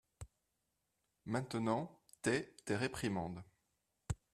Maintenant, tais tes réprimandes.